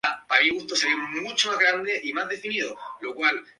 Sin embargo, esta escala de calificación aún no se aplica en todo el mundo.